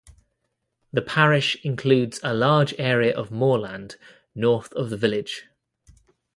The parish includes a large area of moorland north of the village.